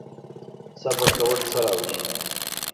صبر کول څه راوړي؟